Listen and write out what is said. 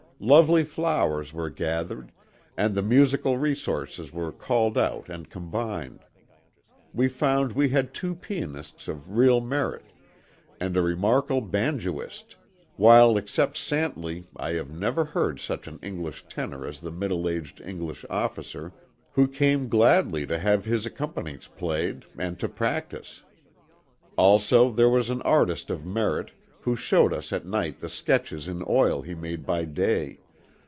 Lovely flowers were gathered, and the musical resources were called out and combined. We found we had two pianists of real merit, and a remarkable banjoist; while except Santley I have never heard such an English tenor as the middle aged English officer who came gladly to have his accompaniments played and to practice. Also there was an artist of merit who showed us at night the sketches in oil he made by day.